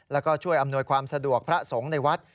แล้วก็ช่วยอำนวยความสะดวกพระสงฆ์ในวัด